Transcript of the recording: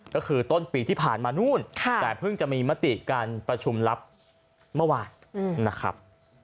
ก็คือต้นปีที่ผ่านมานู่นแต่เพิ่งจะมีมติการประชุมลับเมื่อวานนะครับ